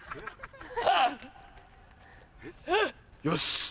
よし。